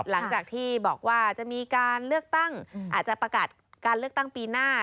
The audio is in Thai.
หลังจากที่บอกว่าจะมีการเลือกตั้งอาจจะประกาศการเลือกตั้งปีหน้า